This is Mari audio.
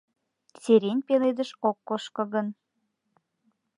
Сирень пеледыш ок кошко гын